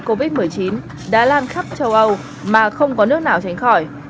các dịch bệnh covid một mươi chín đã lan khắp châu âu mà không có nước nào tránh khỏi